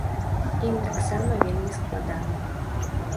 Ім таксама вельмі складана.